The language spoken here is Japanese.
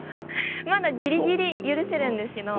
まだギリギリ許せるんですけど。